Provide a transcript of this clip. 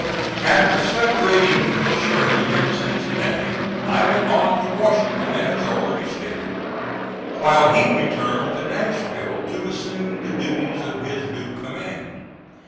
After separating from Sherman in Cincinnati I went on to Washington, as already stated, while he returned to Nashville to assume the duties of his new command.